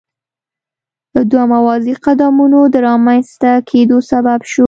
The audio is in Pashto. دوه موازي قدرتونو د رامنځته کېدو سبب شو.